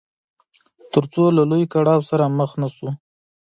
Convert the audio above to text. تر څو له لوی کړاو سره مخ نه شو.